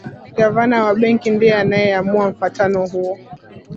gavana wa benki ndiye anayeamua mfuatano huo